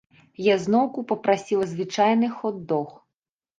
Я зноўку папрасіла звычайны хот-дог.